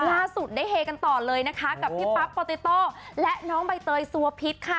ล่าสุดได้เฮกันต่อเลยนะคะกับพี่ปั๊บโปติโต้และน้องใบเตยสัวพิษค่ะ